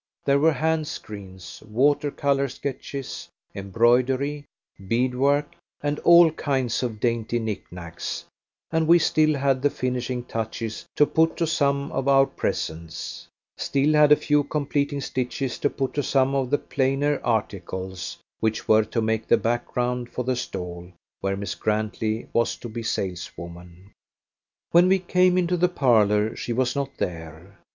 There were handscreens, water colour sketches, embroidery, bead work, and all kinds of dainty knick knacks, and we still had the finishing touches to put to some of our presents still had a few completing stitches to put to some of the plainer articles, which were to make the back ground for the stall where Miss Grantley was to be saleswoman. When we came into the parlour she was not there.